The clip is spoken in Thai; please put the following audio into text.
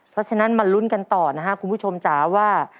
เพราะฉะนั้นมาลุ้นกันต่อนะครับคุณผู้ชมจ๋าว่า